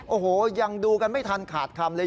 โอ้โหยังดูกันไม่ทันขาดคำเลย